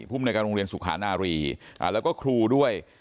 ภูมิในการโรงเรียนสุขานารีแล้วก็ครูด้วย